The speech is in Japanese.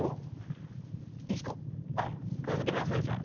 あっ片付けますねじゃあ。